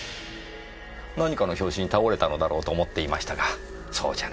何かの拍子に倒れたのだろうと思っていましたがそうじゃない。